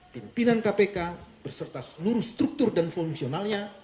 pimpinan kpk berserta seluruh struktur dan fungsionalnya